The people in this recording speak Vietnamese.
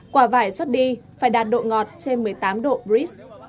quả vải xuất đi phải đạt độ ngọt trên một mươi tám độ bris